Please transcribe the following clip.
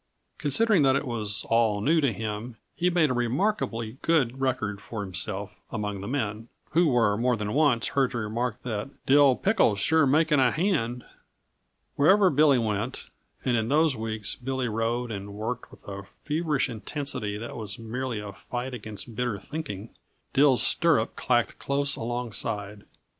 Considering that it was all new to him, he made a remarkably good record for himself among the men, who were more than once heard to remark that "Dill pickle's sure making a hand!" Wherever Billy went and in those weeks Billy rode and worked with a feverish intensity that was merely a fight against bitter thinking Dill's stirrup clacked close alongside.